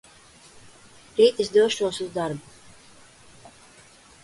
Rīt es došos uz darbu.